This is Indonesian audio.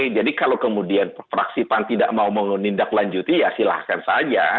jadi kalau kemudian fraksi pan tidak mau menindaklanjuti ya silahkan saja